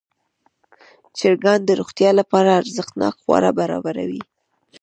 چرګان د روغتیا لپاره ارزښتناک خواړه برابروي.